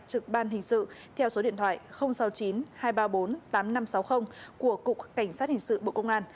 trực ban hình sự theo số điện thoại sáu mươi chín hai trăm ba mươi bốn tám nghìn năm trăm sáu mươi của cục cảnh sát hình sự bộ công an